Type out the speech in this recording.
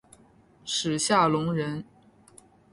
史夏隆人。